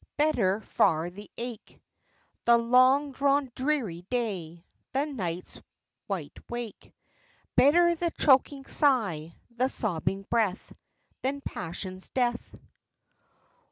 Better far the ache, The long drawn dreary day, the night's white wake, Better the choking sigh, the sobbing breath Than passion's death!